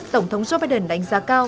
tổng thống joe biden đánh giá cao